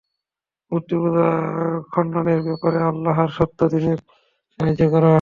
মূর্তিপূজা খণ্ডনের ব্যাপারে আল্লাহর সত্য দীনের সাহায্য করা।